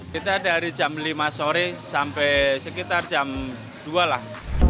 kita dari jam lima sore sampai sekitar jam dua lah